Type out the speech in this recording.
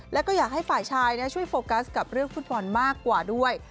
แล้วก็อยากให้ฝ่ายชายช่วยโฟกัสกับเรื่องฟุตบอลมากกว่าด้วย